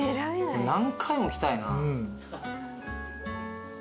何回も来たいな。